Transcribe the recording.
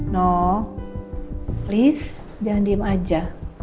noh please jangan diem aja